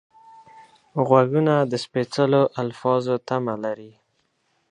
غوږونه د سپېڅلو الفاظو تمه لري